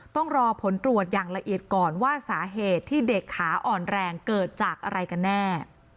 ต้องรอผลตรวจอย่างละเอียดก่อนว่าสาเหตุที่เด็กขาอ่อนแรงเกิดจากอะไรกันแน่